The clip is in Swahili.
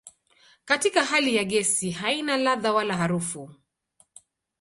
Katika hali ya gesi haina ladha wala harufu.